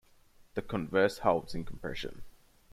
The converse holds in compression.